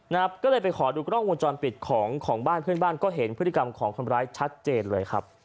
นะครับก็เลยไปขอดูกล้องวงจรปิดของของบ้านเพื่อนบ้านก็เห็นพฤติกรรมของคนร้ายชัดเจนเลยครับ